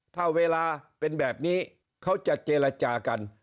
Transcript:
ถ้าเวลาเป็นแบบนี้เขาจะเจรจากัน